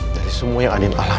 dari semua yang andin alami